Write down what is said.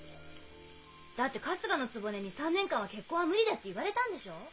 だって春日局に３年間は結婚は無理だって言われたんでしょう？